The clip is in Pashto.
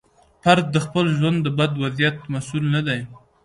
فرد د خپل ژوند د بد وضعیت مسوول نه دی.